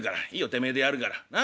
てめえでやるからなっ？